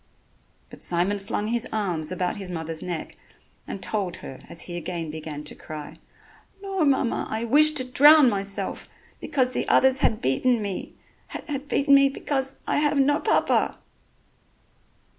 But Simon flung his arms about his mother's neck and told her, as he again began to cry: "No, mamma, I wished to drown myself, because the others had beaten me ... had beaten me ... because I have no Papa."